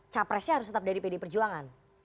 capresnya harus tetap dari pd perjuangan